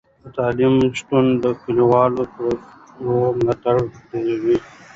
د تعلیم شتون د کلیوالو پروژو ملاتړ ډیروي.